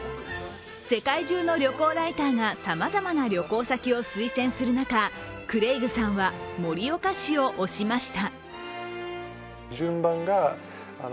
世界中の旅行ライターがさまざまな旅行先を推薦する中、クレイグさんは盛岡市を推しました。